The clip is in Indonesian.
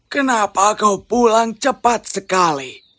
kenapa kau pulang cepat sekali